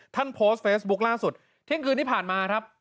ท่านโพสต์เฟซบุ๊คล่าสุดเที่ยงคืนที่ผ่านมาครับ